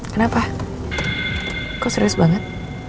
kenapa kok serius banget